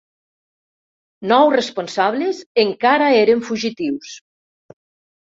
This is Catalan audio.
Nou responsables encara eren fugitius.